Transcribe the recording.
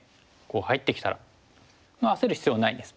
入ってきたら焦る必要ないです。